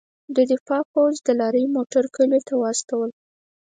د دفاع پوځ د لارۍ موټر کلیو ته واستول.